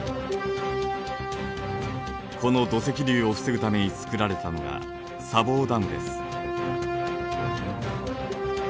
この土石流を防ぐためにつくられたのが砂防ダムです。